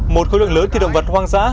một khối lượng lớn thịt động vật hoang dã